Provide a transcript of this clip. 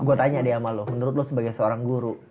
gue tanya deh sama lo menurut lo sebagai seorang guru